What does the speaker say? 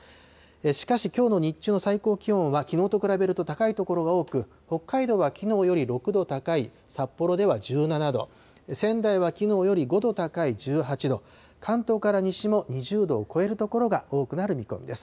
しかし、きょうの日中の最高気温はきのうと比べると高い所が多く、北海道はきのうより６度高い札幌では１７度、仙台はきのうより５度高い１８度、関東から西も２０度を超える所が多くなる見込みです。